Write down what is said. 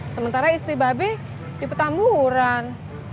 sementara istri babi di petamburan